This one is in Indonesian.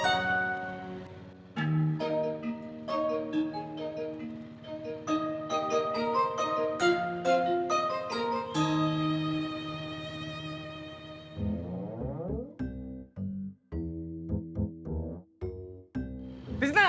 masukkan paul zit nangap aja sikit aja